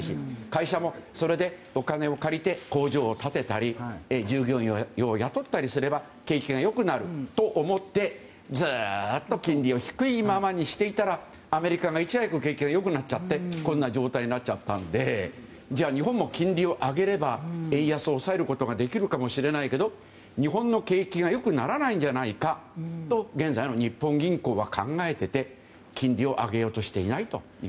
会社も、それでお金を借りて工場を建てたり従業員を雇ったりすれば景気が良くなると思ってずっと金利を低いままにしていたらアメリカがいち早く景気が良くなってこんな状態になっちゃったのでじゃあ日本も金利を上げれば円安を抑えることができるかもしれないけど日本の景気が良くならないんじゃないかと現在の日本銀行は考えていて金利を上げようとしていないと。